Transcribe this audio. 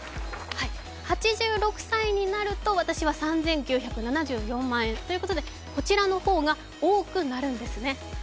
８６歳になると、私は３９７４万円。ということで、こちらの方が多くなるんですね。